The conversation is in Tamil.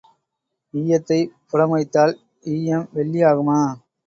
ஈயத்தைப் புடம் வைத்தால் ஈயம் வெள்ளி ஆகுமா?